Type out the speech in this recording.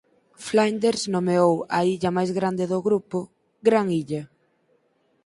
Flinders nomeou á illa máis grande do grupo "Gran Illa".